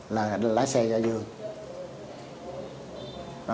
là lái xe cho dương